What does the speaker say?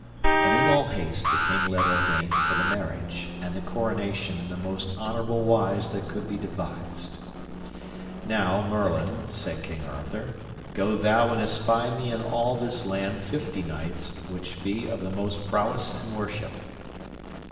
And in all haste the king let ordain for the marriage and the coronation in the most honourable wise that could be devised. Now, Merlin, said King Arthur, go thou and espy me in all this land fifty knights which be of most prowess and worship.